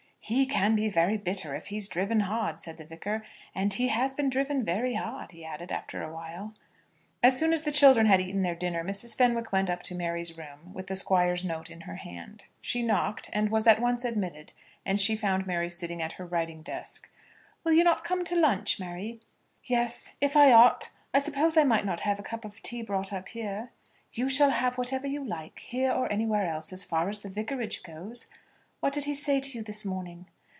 "He can be very bitter if he's driven hard," said the Vicar; "and he has been driven very hard," he added, after a while. As soon as the children had eaten their dinner, Mrs. Fenwick went up to Mary's room with the Squire's note in her hand. She knocked, and was at once admitted, and she found Mary sitting at her writing desk. "Will you not come to lunch, Mary?" "Yes, if I ought. I suppose I might not have a cup of tea brought up here?" "You shall have whatever you like, here or anywhere else, as far as the vicarage goes. What did he say to you this morning?"